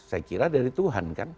saya kira dari tuhan kan